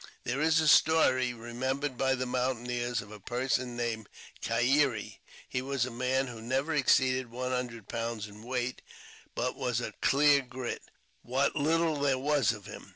There is a story, remembered by the mountaineers, of a person named Key ere. He was a man who never exceeded one hundred pounds in weight, but was clear grit, what little there was of him.